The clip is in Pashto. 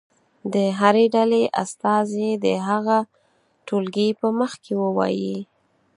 د هرې ډلې استازی دې هغه ټولګي په مخ کې ووایي.